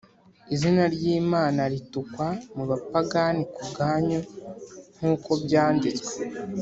Izina ry’Imana ritukwa mu bapagani ku bwanyu, nk’uko byanditswe.